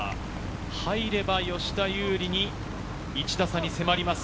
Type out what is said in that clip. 入れば吉田優利に１打差に迫ります。